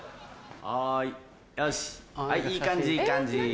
はいよしいい感じいい感じ。